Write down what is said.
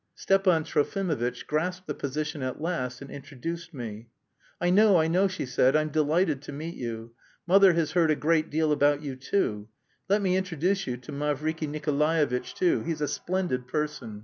Stepan Trofimovitch grasped the position at last and introduced me. "I know, I know," she said, "I'm delighted to meet you. Mother has heard a great deal about you, too. Let me introduce you to Mavriky Nikolaevitch too, he's a splendid person.